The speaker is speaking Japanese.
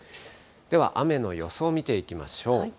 では雨の予想を見ていきましょう。